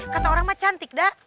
kata orang mah cantik dah